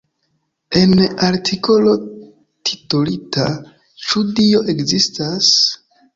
En artikolo titolita "Ĉu Dio ekzistas?